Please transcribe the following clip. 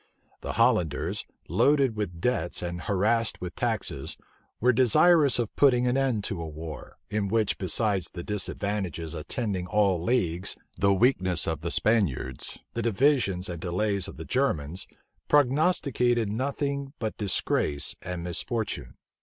{1677.} The Hollanders, loaded with debts and harassed with taxes, were desirous of putting an end to a war, in which, besides the disadvantages attending all leagues, the weakness of the Spaniards, the divisions and delays of the Germans, prognosticated nothing but disgrace and misfortune.